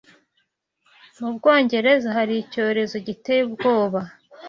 Mu Bwongereza hari icyorezo giteye ubwoba